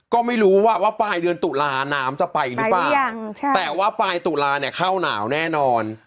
ก็ไม่รู้ว่าปลายเดือนตุลาค์น้ำจะไปหรือเปล่าแต่ว่าปลายตุลาในเข้าหนาวแน่นอน